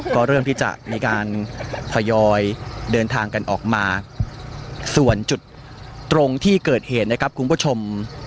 ก็เริ่มที่จะมีการทยอยเดินทางกันออกมาส่วนจุดตรงที่เกิดเหตุนะครับคุณผู้ชม